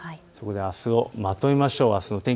それではあすの天気をまとめましょう。